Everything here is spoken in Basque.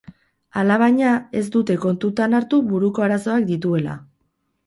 Alabaina, ez dute kontutan hartu buruko arazoak dituela.